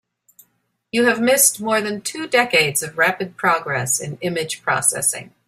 You have missed more than two decades of rapid progress in image processing.